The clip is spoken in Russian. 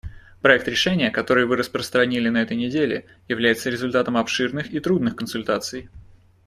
Проект решения, который вы распространили на этой неделе, является результатом обширных и трудных консультаций.